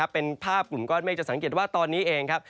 เป็นภาพกลุ่มก้อนเมฆจะสังเกตว่าตอนนี้เองครับ